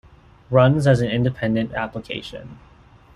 Runs as an independent application.